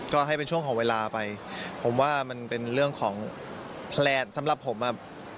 ก็ให้เป็นช่วงของเวลาไปผมว่ามันเป็นเรื่องของแพลนสำหรับผมอ่ะ